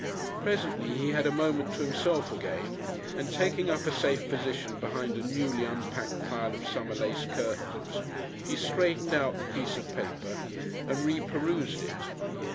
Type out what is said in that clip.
Presently he had a moment to himself again, and, taking up a safe position behind a newly unpacked pile of summer lace curtains, he straightened out the piece of paper and reperused it.